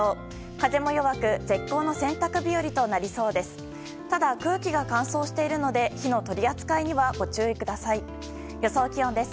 風も弱く絶好の洗濯日和となりそうです。